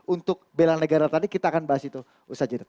untuk bela negara tadi kita akan bahas itu usaha jeda